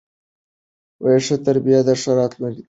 ښه تربیه د ښه راتلونکي تضمین دی.